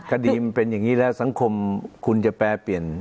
คดีมันเป็นอย่างนี้แล้วสังคมคุณจะแปรเปลี่ยน